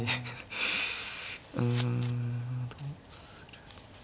うんどうする。